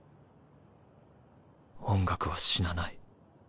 音楽は死なない。